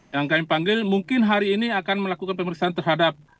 yang kami panggil mungkin hari ini akan melakukan pemeriksaan terhadap